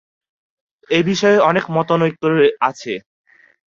এ বিষয়ে অনেক মতানৈক্য আছে।